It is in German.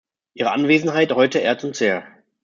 Ihre Anwesenheit heute ehrt uns sehr.